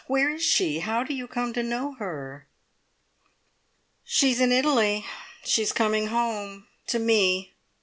Where is she? How do you come to know her?" "She's in Italy. She's coming home. To me.